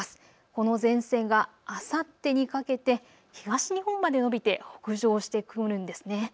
この前線があさってにかけて東日本まで延びて北上してくるんですね。